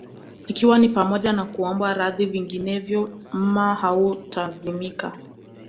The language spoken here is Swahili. Ikiwa ni pamoja na kuombwa radhi vinginevyo mma hautazimika